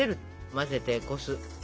混ぜてこす。